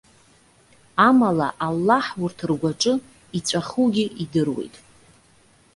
Амала, Аллаҳ урҭ ргәаҿы иҵәахугьы идыруеит.